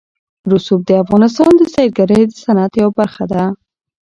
رسوب د افغانستان د سیلګرۍ د صنعت یوه برخه ده.